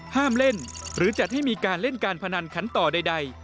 ห้ามเล่นหรือจัดให้มีการเล่นการพนันขันต่อใด